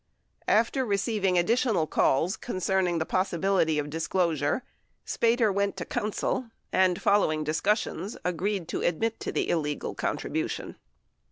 14 After receiving addi tional calls concerning the possibility of disclosure, Spater went to counsel and, following discussions, agreed to admit to the illegal con tribution.